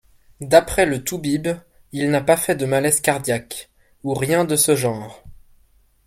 D’après le toubib, il n’a pas fait de malaise cardiaque, ou rien de ce genre.